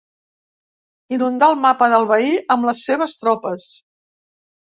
Inundà el mapa del veí amb les seves tropes.